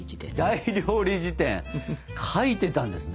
「大料理事典」書いてたんですね。